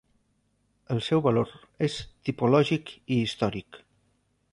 El seu valor és tipològic i històric.